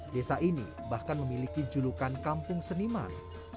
desa ini bahkan memiliki julukan kampung seniman